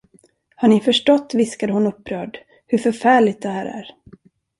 Har ni förstått? viskade hon upprörd, hur förfärligt det här är?